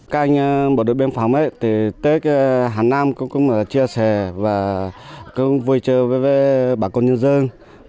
các anh bộ đội biên phòng tết hàn nam cũng chia sẻ và vui chờ với bà con nhân dân